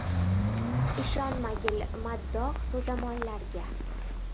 Ishonmagil maddoh, so‘zamollarga